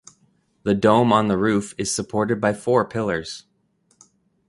The dome on the roof is supported by four pillars.